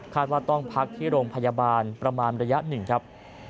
ว่าต้องพักที่โรงพยาบาลประมาณระยะหนึ่งครับ